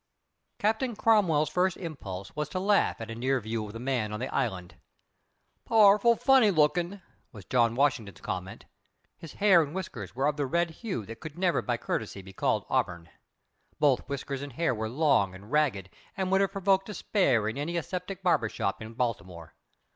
Captain Cromwell's first impulse was to laugh at a near view of the man on the island. "Powerful funny lookin'," was John Washington's comment. His hair and whiskers were of the red hue that could never by courtesy be called auburn. Both whiskers and hair were long and ragged and would have provoked despair in any aseptic barber shop in Baltimore.